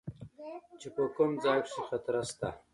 چې په کوم ځاى کښې خطره سته.